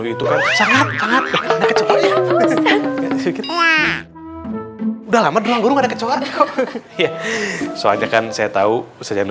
itu sangat sangat kecoh kecohnya sudah lama dulu ada kecoh kecoh soalnya kan saya tahu